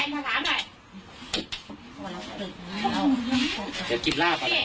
อยากกินราบ